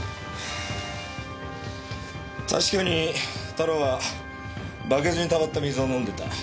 確かにタロはバケツにたまった水を飲んでた。